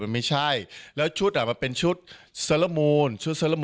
มันไม่ใช่แล้วชุดอ่ะมันเป็นชุดสรมูล